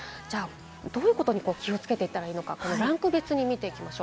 どういうことに気をつけていったらいいのか、ランク別に見ていきます。